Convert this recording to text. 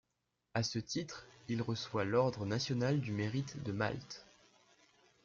À ce titre, il reçoit l'Ordre national du Mérite de Malte.